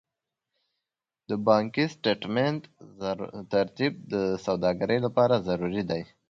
د بانکي سټېټمنټ ترتیب د سوداګرۍ لپاره ضروري دی.